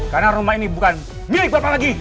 karena rumah ini bukan milik bapak lagi